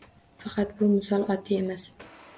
Faqat bu misol oddiy emas.